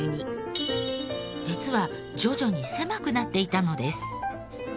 実は徐々に狭くなっていたのです。